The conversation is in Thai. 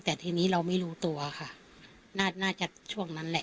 แต่ทีนี้เราไม่รู้ตัวค่ะน่าจะช่วงนั้นแหละ